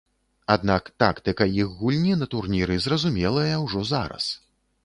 Аднак тактыка іх гульні на турніры зразумелая ўжо зараз.